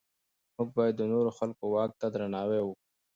موږ باید د نورو خلکو واک ته درناوی وکړو.